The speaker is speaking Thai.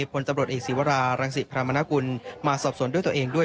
พลตำรวจเอกศีวรารังศิพรามนกุลมาสอบสวนด้วยตัวเองด้วย